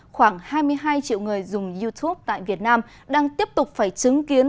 khoảng hai mươi hai triệu người dùng youtube tại việt nam đang tiếp tục phải chứng kiến